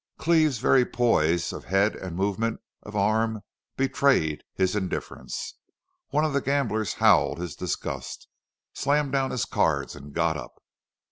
Cleve's very poise of head and movement of arm betrayed his indifference. One of the gamblers howled his disgust, slammed down his cards, and got up.